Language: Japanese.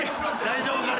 大丈夫か？